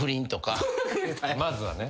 まずはね。